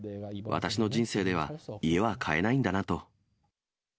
私の人生では、家は買えないんだなと。